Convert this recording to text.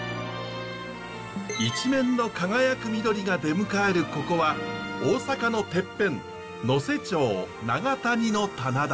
一面の輝く緑が出迎えるここは大阪のてっぺん能勢町長谷の棚田。